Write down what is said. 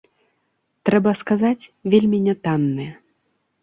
Трэба сказаць, вельмі нятанныя.